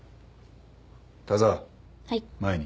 田澤前に。